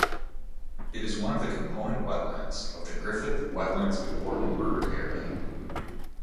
It is one of the component wetlands of the Griffith Wetlands Important Bird Area.